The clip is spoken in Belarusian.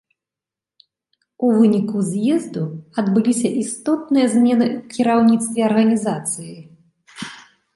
У выніку з'езду адбыліся істотныя змены ў кіраўніцтве арганізацыяй.